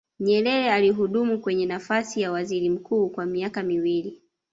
nyerere alihudumu kwenye nafasi ya waziri mkuu kwa miaka miwili